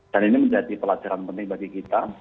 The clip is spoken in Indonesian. dan ini menjadi pelajaran penting bagi kita